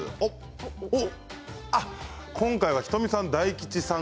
今回は仁美さん、大吉さん